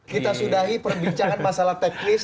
kita sudahi perbincangan masalah tech list